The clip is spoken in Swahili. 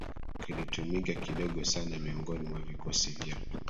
kilitumika kidogo sana miongoni mwa vikosi vya